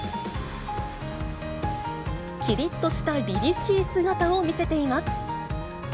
きりっとしたりりしい姿を見せています。